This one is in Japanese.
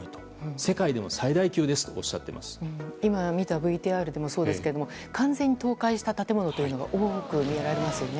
世界でも最大級ですと今見たＶＴＲでもそうですけども完全に倒壊した建物が多く見られますよね。